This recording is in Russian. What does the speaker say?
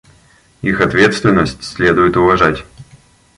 Их ответственность следует уважать.